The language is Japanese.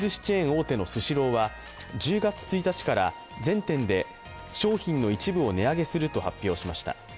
大手のスシローは１０月１日から全店で商品の一部を値上げすると発表しました。